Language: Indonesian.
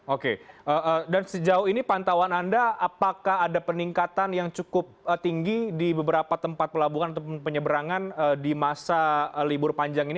oke dan sejauh ini pantauan anda apakah ada peningkatan yang cukup tinggi di beberapa tempat pelabuhan atau penyeberangan di masa libur panjang ini